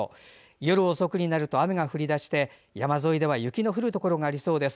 夜遅くになると雨が降り出して山沿いでは雪の降るところもありそうです。